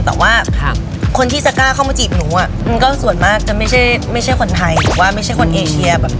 แต่ว่าคนที่จะกล้ามาจีบหนูอะส่วนมากจะไม่ใช่คนไทยไม่ใช่คนเอเชีย